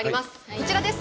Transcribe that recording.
こちらです。